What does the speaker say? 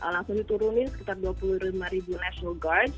langsung diturunin sekitar dua puluh lima ribu national guard